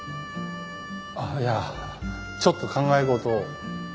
ああいやちょっと考え事を。